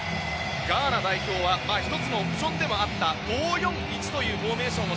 ガーナ代表は１つのオプションでもあった５−４−１というフォーメーションを